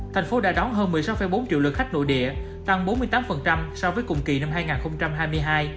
thành phố đã đón hơn một mươi sáu bốn triệu lượt khách nội địa tăng bốn mươi tám so với cùng kỳ năm hai nghìn hai mươi hai